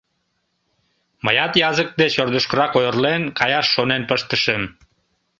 Мыят язык деч ӧрдыжкырак ойырлен каяш шонен пыштышым.